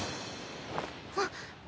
あっ。